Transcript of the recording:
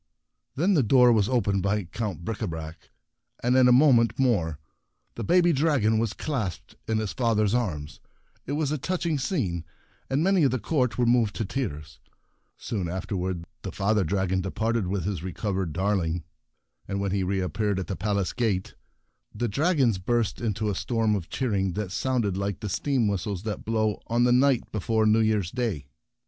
Then the door was opened by Count Bricabrac, and in a moment more the baby dragon was clasped in his father's arms ! It was a touch ing scene, and many of the court were moved to tears. A Touching Scene and the Dragons 47 Soon afterward the Father dragon departed with his re covered darling, and when he reappeared at the Palace gate, the dragons burst into a storm of cheering that sounded like the steam whistles that blow on the night before New Year's They Depart The Cheering 48 The Prince Away Day.